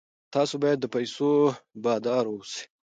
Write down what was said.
تاسو باید د پیسو بادار اوسئ.